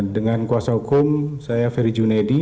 dengan kuasa hukum saya ferry junedi